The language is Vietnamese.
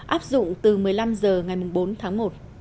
áp dụng từ một mươi năm h ngày bốn tháng một